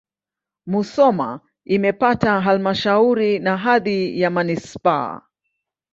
Musoma imepata halmashauri na hadhi ya manisipaa.